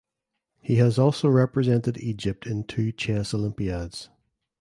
He has also represented Egypt in two Chess Olympiads.